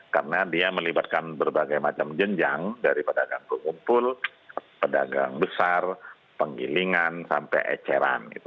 karena dia melibatkan berbagai macam jenjang dari pedagang kumpul pedagang besar penggilingan sampai eceran